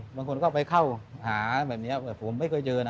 บางคนก็ไปเข้าหาแบบนี้แต่ผมไม่เคยเจอนะ